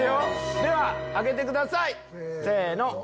では挙げてください！せの。